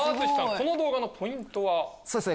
この動画のポイントは？